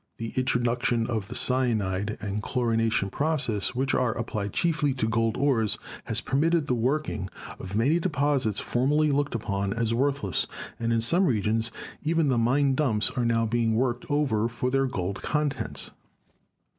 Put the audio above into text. The introduction of the cyanide and chlorination proc esses, which are applied chiefly to gold ores, has per mitted the working of many deposits formerly looked upon as worthless, and in some regions even the mine dumps are now being worked over for their gold contents.